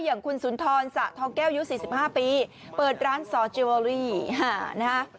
อย่างคุณสุนทรสะทองแก้วอายุ๔๕ปีเปิดร้านซอจิลเวอรี่นะฮะ